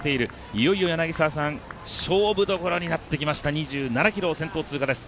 いよいよ、柳澤さん勝負どころになってきました２７ｋｍを先頭、通過です。